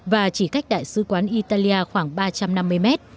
và chỉ cách đại sứ quán italia khoảng ba trăm năm mươi mét